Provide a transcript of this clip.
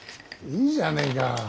いいじゃねえか。